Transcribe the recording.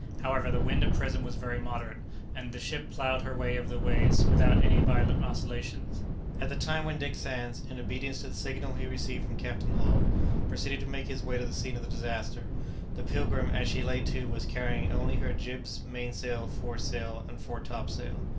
However, the wind at present was very moderate, and the ship ploughed her way over the waves without any violent oscillations. At the time when Dick Sands, in obedience to the signal he received from Captain Hull, proceeded to make his way to the scene of the disaster, the "Pilgrim," as she lay to, was carrying only her jibs, main sail, fore sail, and fore top sail.